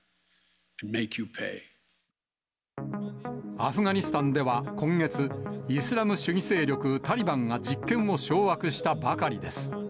アフガニスタンでは今月、イスラム主義勢力タリバンが実権を掌握したばかりです。